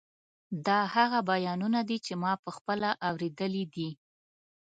دا هغه بیانونه دي چې ما پخپله اورېدلي دي.